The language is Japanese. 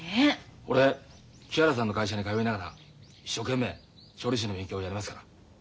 俺木原さんの会社に通いながら一生懸命調理師の勉強やりますから。